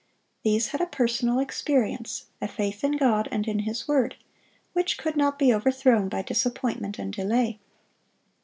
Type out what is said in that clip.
These had a personal experience, a faith in God and in His word, which could not be overthrown by disappointment and delay.